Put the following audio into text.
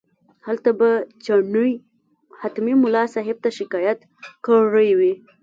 هلته به چڼي حتمي ملا صاحب ته شکایت کړی وي.